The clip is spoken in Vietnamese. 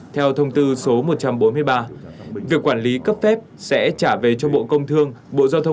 thì chúng tôi sẽ xử lý nghiêm không bao che nếu có sai phạm